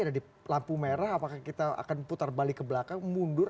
ada di lampu merah apakah kita akan putar balik ke belakang mundur